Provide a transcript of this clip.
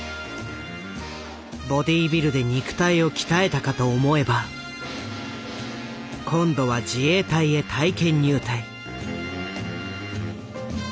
ボディービルで肉体を鍛えたかと思えば今度は自衛隊へ体験入隊。